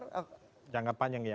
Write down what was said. kalau dalam jangka panjang ya